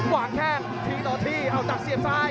วางแค่งทิ้งต่อที่เอาตักเสียบซ้าย